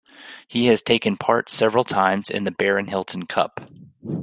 He has taken part several times in the Barron Hilton Cup.